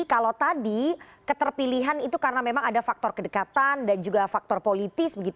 kalau tadi keterpilihan itu karena memang ada faktor kedekatan dan juga faktor politis